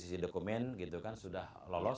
sisi dokumen sudah lolos